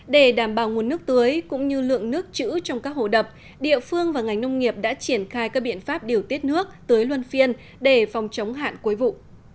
để đảm bảo nguồn nước tưới cũng như lượng nước chữ trong các hồ đập địa phương và ngành nông nghiệp đã triển khai các biện pháp điều tiết nước tưới luân phiên để phòng chống hạn cuối vụ